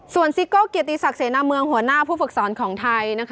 ส่วนซิโก้เกียรติศักดิเสนาเมืองหัวหน้าผู้ฝึกสอนของไทย